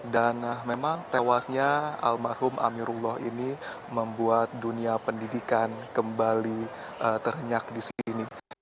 dan memang tewasnya almarhum amirullah ini membuat dunia pendidikan kembali terhenyak di sini